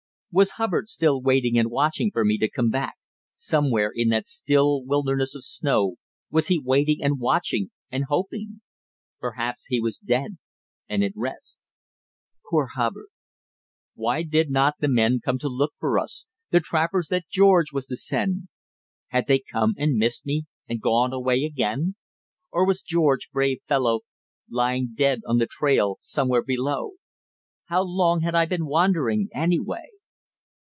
Was Hubbard still waiting and watching for me to come back? somewhere in that still wilderness of snow was he waiting and watching and hoping? Perhaps he was dead, and at rest. Poor Hubbard... Why did not the men come to look for us the trappers that George was to send? Had they come and missed me, and gone away again? Or was George, brave fellow, lying dead on the trail somewhere below? How long had I been wandering, anyway...